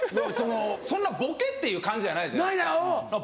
そんなボケっていう感じじゃないじゃないですか。